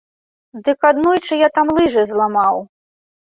Дык аднойчы я там лыжы зламаў!